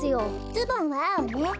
ズボンはあおね。